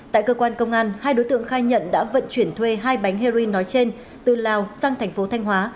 tại cơ quan công an hai đối tượng khai nhận đã vận chuyển thuê hai bánh heroin nói trên từ lào sang thành phố thanh hóa